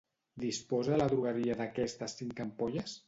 Disposa la drogueria d'aquestes cinc ampolles?